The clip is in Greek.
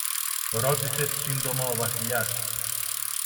ρώτησε σύντομα ο Βασιλιάς.